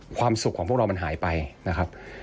ความสุขของพวกเรามันหายไปนะครับ